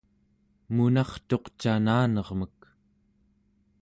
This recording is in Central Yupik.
munartuq cananermek